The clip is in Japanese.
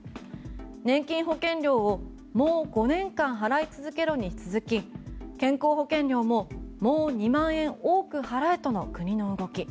年金保険料をもう５年間、払い続けろに続き健康保険料ももう２万円多く払えとの国の動き